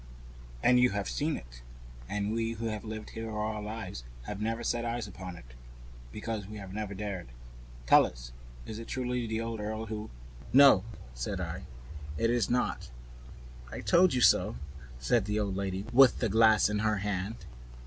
"And you have seen it. And we who have been here all our lives have never set eyes upon it. Because we have never dared. Tell us, is it truly the old earl who " "No," said I, "it is not." "I told you so," said the old lady, with the glass in her hand.